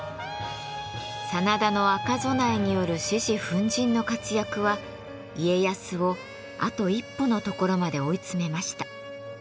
真田の赤備えによる獅子奮迅の活躍は家康をあと一歩のところまで追い詰めました。